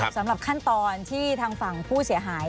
สำหรับขั้นตอนที่ทางฝั่งผู้เสียหาย